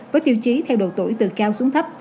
với tiêu chí theo độ tuổi từ cao xuống thấp